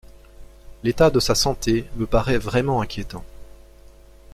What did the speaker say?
L’état de sa santé me paraît vraiment inquiétant.